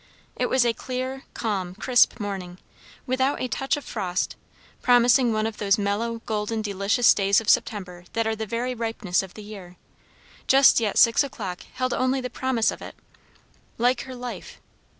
It was a clear, calm, crisp morning, without a touch of frost, promising one of those mellow, golden, delicious days of September that are the very ripeness of the year; just yet six o'clock held only the promise of it. Like her life!